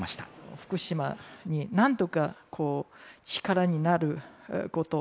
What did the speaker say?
福島に何とか力になること。